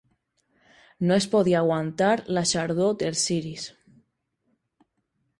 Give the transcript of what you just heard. No es podia aguantar la xardor dels ciris.